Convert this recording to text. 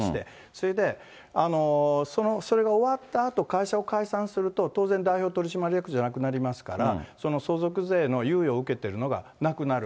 それで、それが終わったあと、会社を解散すると、当然代表取締役じゃなくなりますから、その相続税の猶予を受けてるのがなくなる。